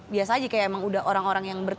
biasa aja kayak emang udah orang orang yang